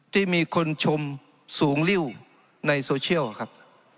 ที่มีคนชมสูงริ้วในโซเชียลครับ